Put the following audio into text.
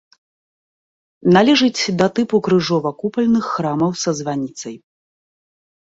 Належыць да тыпу крыжова-купальных храмаў са званіцай.